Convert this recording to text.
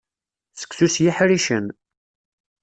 Seksu s yeḥricen.